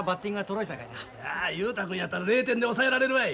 雄太君やったら０点で抑えられるわい。